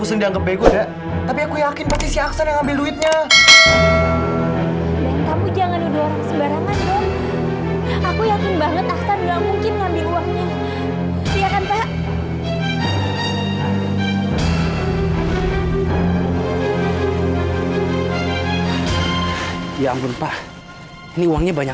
sampai jumpa di video selanjutnya